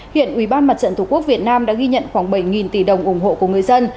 hiện ubnd việt nam đã ghi nhận khoảng bảy tỷ đồng ủng hộ của người dân